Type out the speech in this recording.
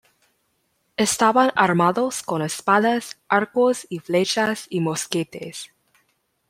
Estaban armados con espadas, arcos y flechas y mosquetes.